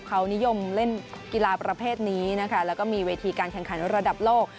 เขานิยมเล่นกีฬาประเภทนี้นะคะแล้วก็มีเวทีการแข่งขันระดับโลก